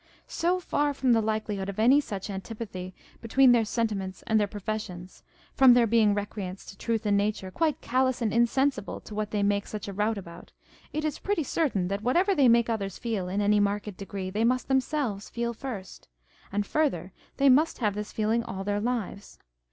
So far from the likelihood of any such antipathy between their sentiments and their pro fessions, from their being recreants to truth and nature, quite callous and insensible to what they make such a rout about, it is pretty certain that whatever they make others feel in any marked degree, they must themselves feel first ; and further, they must have this feeling all their lives.